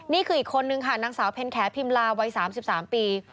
นี่คืออีกคนหนึ่งค่ะนางสาวเพ้นแค้พิมลาวัย๓๓ปี